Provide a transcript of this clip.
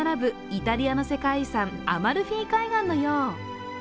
イタリアの世界遺産・アマルフィ海岸のよう。